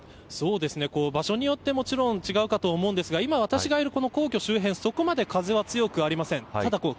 場所によって、もちろん違うかと思うんですが今私がいる皇居周辺そこまで風は強くありません。